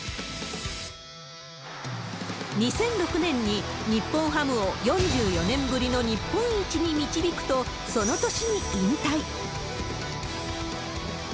２００６年に日本ハムを４４年ぶりの日本一に導くと、その年に引退。